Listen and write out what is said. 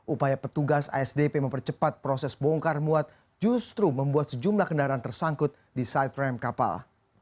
upaya petugas asdp mempercepat proses bongkar muat justru membuat sejumlah kendaraan tersangkut di side frame kapal